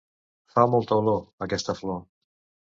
Fa molta olor, aquesta flor.